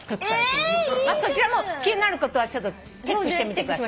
そちらも気になる方はチェックしてみてください。